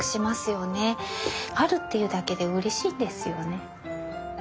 あるっていうだけでうれしいんですよね。